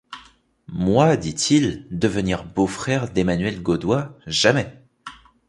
Moi, dit-il, devenir beau-frère d'Emmanuel Godoy, jamais !